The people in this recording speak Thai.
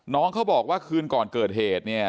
น้องเขาบอกว่าคืนก่อนเกิดเหตุเนี่ย